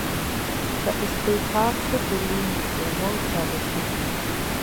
که اصطکاک صفر وي نو فورمول ساده کیږي